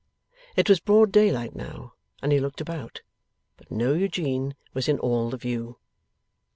It was broad daylight now, and he looked about. But no Eugene was in all the view.